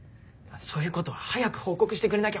そういう事は早く報告してくれなきゃ困りますよ！